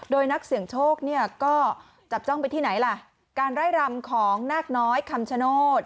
โดยนักเสี่ยงโชคเนี่ยก็จับจ้องไปที่ไหนล่ะการไล่รำของนาคน้อยคำชโนธ